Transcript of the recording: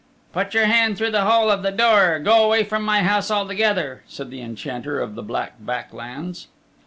"Put your hand through the hole of the door or go away from my house altogether," said the Enchanter of the Black Back Lands.